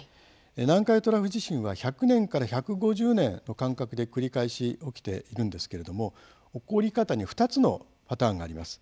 南海トラフ地震は１００年から１５０年の間隔で繰り返し起きているんですけれども起こり方に２つのパターンがあります。